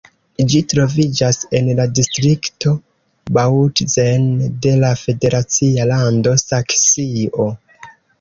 Ĝi troviĝas en la distrikto Bautzen de la federacia lando Saksio.